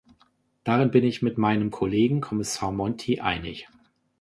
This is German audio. Darin bin ich mit meinem Kollegen, Kommissar Monti, einig.